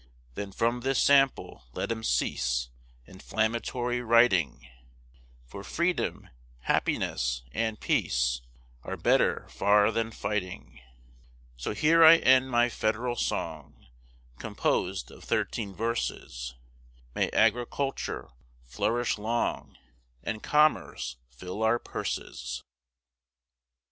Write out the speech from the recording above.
Then from this sample, let 'em cease Inflammatory writing; For freedom, happiness, and peace, Are better far than fighting. So here I end my Federal song, Composed of thirteen verses; May agriculture flourish long, And commerce fill our purses.